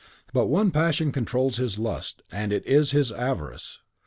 But one passion controls his lust, it is his avarice.